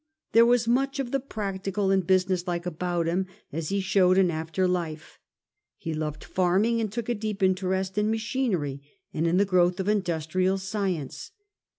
There was much of the practical and business like about him, as he showed in after life ; he loved farming and took a deep interest in machinery and in the growth of industrial science.